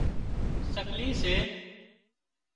سڪلي سي